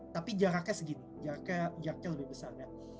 tapi jaraknya segini jaraknya lebih besar